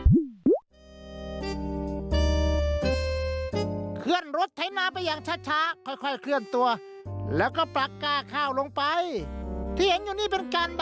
เมียวเมียว